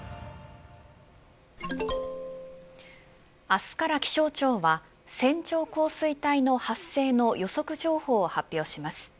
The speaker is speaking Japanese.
明日から気象庁は線状降水帯の発生の予測情報を発表します。